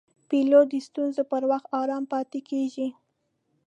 پیلوټ د ستونزو پر وخت آرام پاتې کېږي.